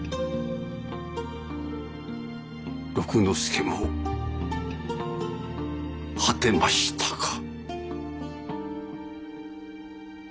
六之助も果てましたか。